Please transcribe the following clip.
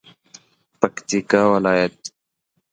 پکتیکا ولایت